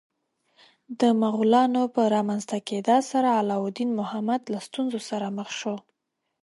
د مغولانو په رامنځته کېدا سره علاوالدین محمد له ستونزو سره مخ شو.